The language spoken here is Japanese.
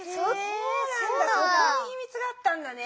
そこにひみつがあったんだね。